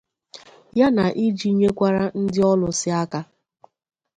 ya na iji nyekwara ndị ọlụsị aka.